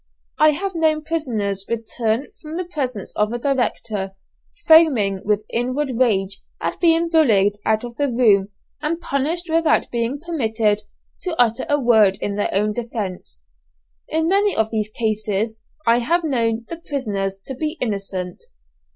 I have known prisoners return from the presence of a director, foaming with inward rage at being bullied out of the room and punished without being permitted to utter a word in their own defence. In many of these cases I have known the prisoners to be innocent.